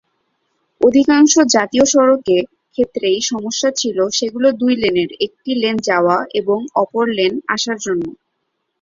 অধিকাংশ জাতীয় সড়কে ক্ষেত্রেই সমস্যা ছিল সেগুলি দুই লেনের, একটি লেন যাওয়া এবং অপর লেন আসার জন্য।